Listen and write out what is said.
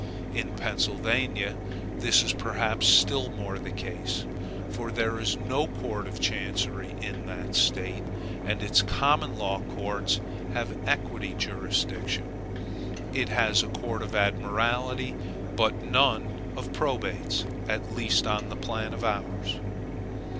In Pennsylvania, this is perhaps still more the case, for there is no court of chancery in that State, and its common law courts have equity jurisdiction. It has a court of admiralty, but none of probates, at least on the plan of ours.